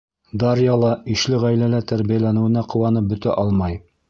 Дарья ла ишле ғаиләлә тәрбиәләнеүенә ҡыуанып бөтә алмай.